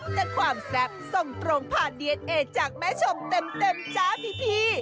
แต่ความแซ่บส่งตรงผ่านดีเอนเอจากแม่ชมเต็มจ้าพี่